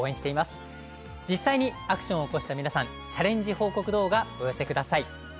実際にアクションを起こした皆さんチャレンジ報告動画お寄せください。